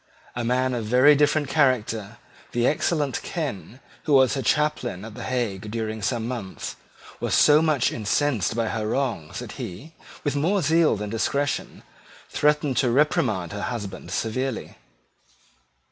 A man of a very different character, the excellent Ken, who was her chaplain at the Hague during some months, was so much incensed by her wrongs that he, with more zeal than discretion, threatened to reprimand her husband severely.